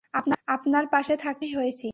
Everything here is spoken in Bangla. আপনার পাশে থাকতে আগ্রহী হয়েছি।